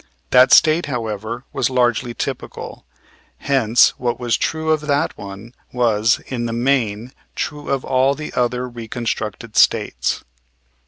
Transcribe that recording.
That State, however, was largely typical, hence what was true of that one was, in the main, true of all the other reconstructed States.